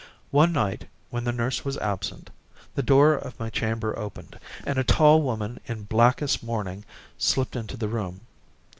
One night, when the nurse was absent, the door of my chamber opened, and a tall woman in blackest mourning slipped into the room.